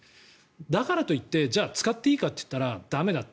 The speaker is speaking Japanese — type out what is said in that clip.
だからといってじゃあ、使っていいかといったら駄目だと。